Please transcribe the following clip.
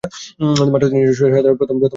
মাত্র তিনজন সাঁতারু প্রথম হিটে অংশ নেন।